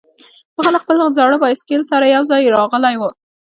هغه له خپل زاړه بایسکل سره یوځای راغلی و